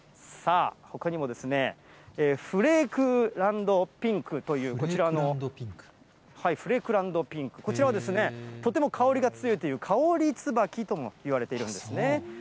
ほかにも、フレークランドピンクというこちらのフレークランドピンク、こちらはとても香りが強いという香り椿ともいわれているんですね。